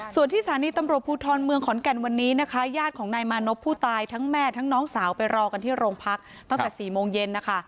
ส่วนที่สถานีตำรวจภูทรเมืองขอนแก่นวันนี้นะคะญาติของนายมานพผู้ตายทั้งแม่ทั้งน้องสาวไปรอกันที่โรงพักตั้งแต่๔โมงเย็นนะคะ